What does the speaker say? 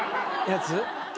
やつ。